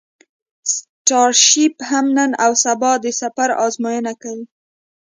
سټارشیپ هم نن او سبا کې د سفر ازموینه کوي.